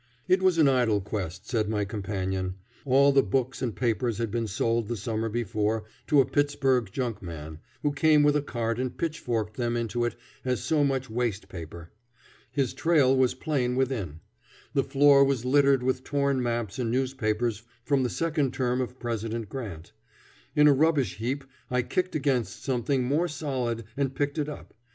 It was an idle quest, said my companion; all the books and papers had been sold the summer before to a Pittsburg junkman, who came with a cart and pitchforked them into it as so much waste paper. His trail was plain within. The floor was littered with torn maps and newspapers from the second term of President Grant. In a rubbish heap I kicked against something more solid and picked it up.